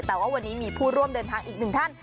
แต่ว่าวันนี้มีผู้ร่วมเดินทางอีกหนึ่งท่าน